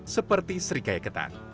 seperti serikaya ketan